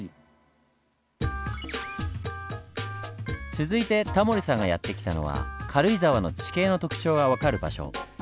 続いてタモリさんがやって来たのは軽井沢の地形の特徴が分かる場所。